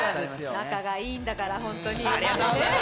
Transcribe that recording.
仲がいいんだから、本当に。